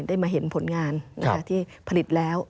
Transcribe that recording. ได้มาเห็นผลงานที่ผลิตแล้ว